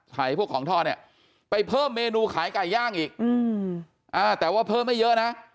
พวกของทอดเนี่ยไปเพิ่มเมนูขายไก่ย่างอีกแต่ว่าเพิ่มไม่เยอะนะ